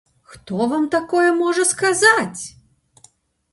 Хто вам такое можа сказаць?